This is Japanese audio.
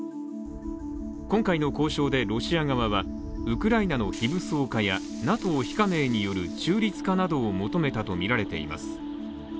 今回の交渉でロシア側はウクライナの非武装化やＮＡＴＯ非加盟による中立化などを求めたとみられています。